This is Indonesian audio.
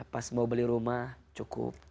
pas mau beli rumah cukup